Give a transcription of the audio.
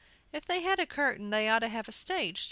If they had a curtain they ought to have a stage.